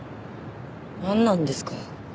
なんなんですか？